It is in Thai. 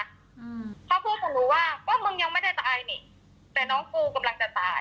อืมเขาพูดกับหนูว่าว่ามึงยังไม่ได้ตายนี่แต่น้องกูกำลังจะตาย